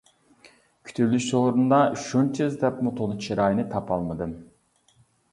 كۈتۈۋېلىش سورۇنىدا شۇنچە ئىزدەپمۇ تونۇش چىراينى تاپالمىدىم.